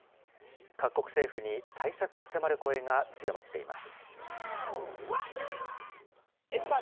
各国政府に対策を迫る声が強まっています。